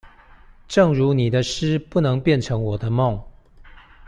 正如你的詩不能變成我的夢